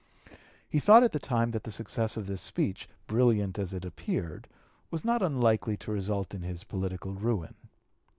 He thought at the time that the success of this speech, brilliant as it appeared, was not unlikely to result in his political ruin.